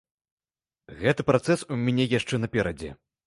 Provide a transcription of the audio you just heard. Гэты працэс у мяне яшчэ наперадзе.